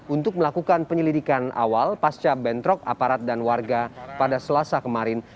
untuk melakukan penyelidikan awal pasca bentrok aparat dan warga pada selasa kemarin